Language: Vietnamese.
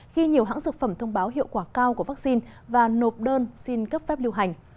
khi nhiều hãng dược phẩm thông báo hiệu quả cao của vaccine và nộp đơn xin cấp phép lưu hành